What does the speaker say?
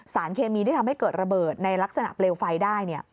เคมีที่ทำให้เกิดระเบิดในลักษณะเปลวไฟได้